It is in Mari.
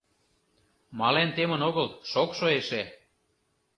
— Мален темын огыл, шокшо эше.